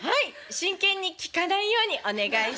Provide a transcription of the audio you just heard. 真剣に聞かないようにお願いします。